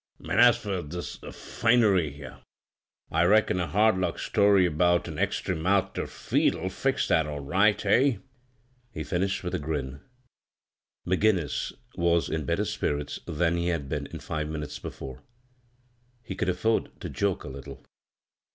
An' as fur this finery here — I reckon a hard luck story about a extry mouth ter feed '11 fix that all right ;— eh ?" he finished with a grin. McGinnis .was in better spirits than he had been in five minutes before. He could af ford to joke a little.